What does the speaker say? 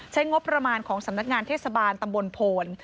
งบประมาณของสำนักงานเทศบาลตำบลโพน